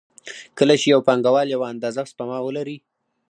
کله چې یو پانګوال یوه اندازه سپما ولري